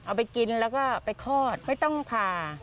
เอาไปกินแล้วก็ไปคลอดไม่ต้องผ่า